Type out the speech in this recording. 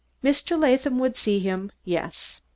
Mr. Latham would see him yes.